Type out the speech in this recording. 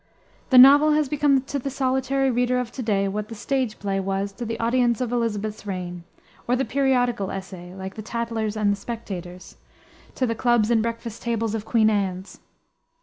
The novel has become to the solitary reader of to day what the stage play was to the audiences of Elisabeth's reign, or the periodical essay, like the Tatlers and Spectators, to the clubs and breakfast tables of Queen Anne's.